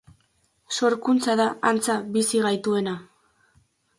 Sorkuntza da, antza, bizi gaituena.